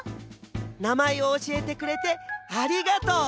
なまえをおしえてくれてありがとう！